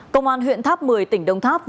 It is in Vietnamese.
công an huyện tháp một mươi tỉnh đông tháp